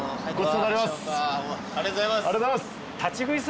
ありがとうございます。